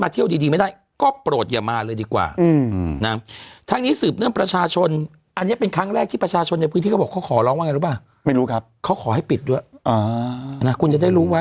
เขียนว่านั่นน่ะเห็นยังใหญ่เลยนะ